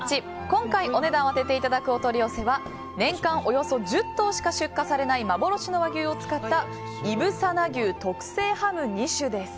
今回お値段を当てていただくお取り寄せは年間およそ１０頭しか出荷されない幻の和牛を使ったいぶさな牛特製ハム２種です。